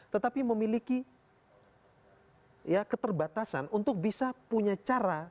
tetapi memiliki keterbatasan untuk bisa punya cara